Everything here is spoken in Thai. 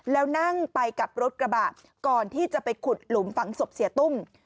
แล้วนั่งไปกับรถกระบะก่อนที่จะไปขุดหลุมฝังศพเสียตุ้ม